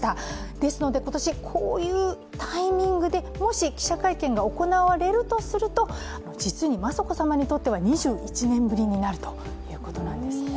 ですので、今年こういうタイミングでもし記者会見が行われるとすると、実に雅子さまにとっては２１年ぶりになるということなんですね。